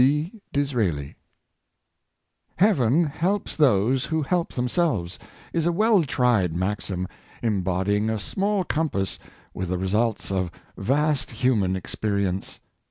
— B. Dis raeli. EAVEN helps those who help themselves '^ is a well tried maxim, embodying in a small compass the results of vast human experi ence.